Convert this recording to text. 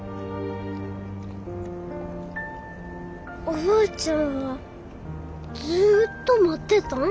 おばあちゃんはずっと待ってたん？